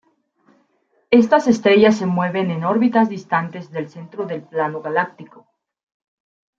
Estas estrellas se mueven en órbitas distantes del centro del plano galáctico.